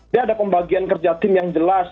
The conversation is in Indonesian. dia ada pembagian kerja tim yang jelas